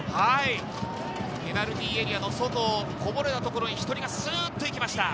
ペナルティーエリアの外をこぼれたところに１人がスッと行きました。